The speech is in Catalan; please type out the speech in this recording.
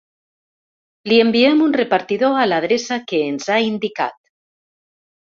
Li enviem un repartidor a l'adreça que ens ha indicat.